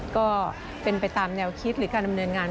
ก็เป็นไปตามแนวคิดหรือการดำเนินงาน